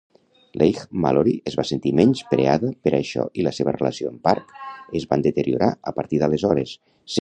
Leigh-Mallory es va sentir menyspreada per això i la seva relació amb Park es van deteriorar a partir d'aleshores.